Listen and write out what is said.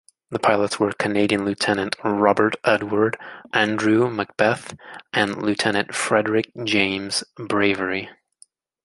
The pilots were Canadian Lieutenant Robert Edward Andrew MacBeth and Lieutenant Frederick James Bravery.